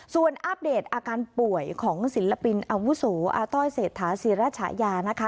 ส่วนอัปเดตอาการป่วยของศิลปินอาวุโสอาต้อยเศรษฐาศิราชยานะคะ